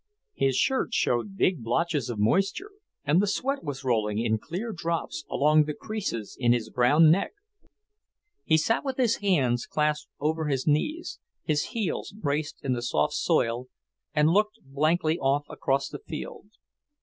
His shirt showed big blotches of moisture, and the sweat was rolling in clear drops along the creases in his brown neck. He sat with his hands clasped over his knees, his heels braced in the soft soil, and looked blankly off across the field.